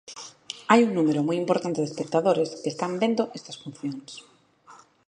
Hai un número moi importante de espectadores que están vendo estas funcións.